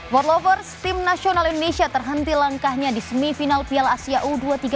world lovers tim nasional indonesia terhenti langkahnya di semifinal piala asia u dua puluh tiga